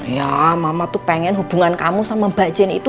ya mama tuh pengen hubungan kamu sama mbak jen itu